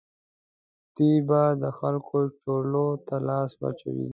دوی به د خلکو چورولو ته لاس واچوي.